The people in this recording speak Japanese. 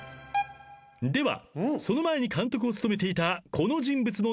［ではその前に監督を務めていた］